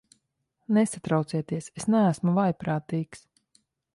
Nesatraucieties, es neesmu vājprātīgs.